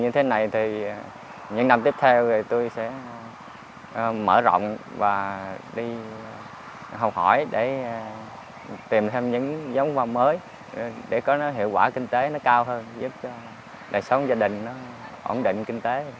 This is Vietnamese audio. thì những năm tiếp theo tôi sẽ mở rộng và đi học hỏi để tìm thêm những giống hoa mới để có hiệu quả kinh tế nó cao hơn giúp đại sống gia đình nó ổn định kinh tế